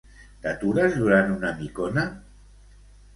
T'atures durant una micona?